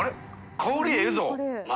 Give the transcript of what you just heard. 香りええぞ。